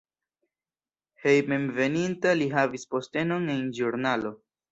Hejmenveninta li havis postenon en ĵurnalo.